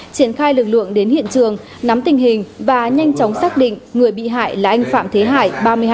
triển khai lực lượng đến hiện trường nắm tình hình và nhanh chóng xác định người bị hại là anh phạm thế hải